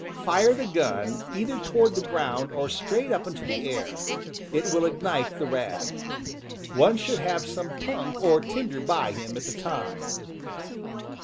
Fire the gun either toward the ground or straight up into the air; it will ignite the rag. One should have some punk or tinder by him at the time.